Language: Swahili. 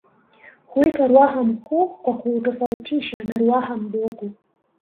Huitwa Ruaha Mkuu kwa kuutofautisha na Ruaha Mdogo